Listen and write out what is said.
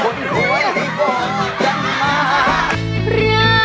หวดหวยบอกกันมา